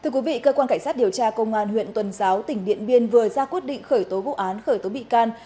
cơ quan cảnh sát điều tra công an huyện tuần giáo tỉnh điện biên vừa ra quyết định khởi tố vụ án khởi tố bị can